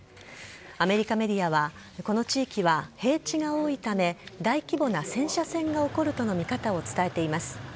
アメリカメディアはこの地域は平地が多いため大規模な戦車戦が起こるとの見方を伝えています。